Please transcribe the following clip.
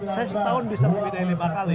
saya setahun bisa lebih dari lima kali